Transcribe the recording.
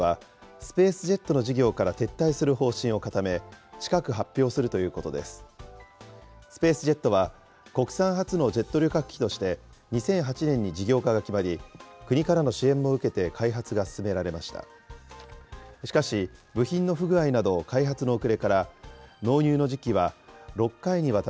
スペースジェットは、国産初のジェット旅客機として、２００８年に事業化が決まり、国からの支援も受けて開発が進められました。